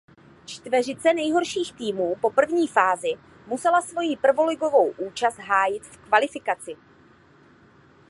Čtveřice nejhorších týmů po první fázi musela svoji prvoligovou účast hájit v kvalifikaci.